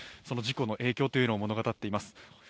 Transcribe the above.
その事故の影響を物語っています。